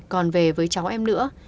còn về với cháu em nữa